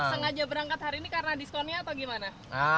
sengaja berangkat hari ini karena diskonnya atau gimana